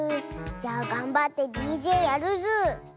じゃあがんばってＤＪやるズー。